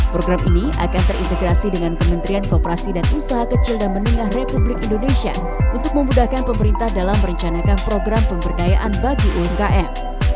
program ini akan terintegrasi dengan kementerian kooperasi dan usaha kecil dan menengah republik indonesia untuk memudahkan pemerintah dalam merencanakan program pemberdayaan bagi umkm